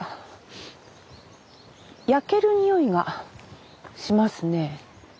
焼けるにおいがしますね。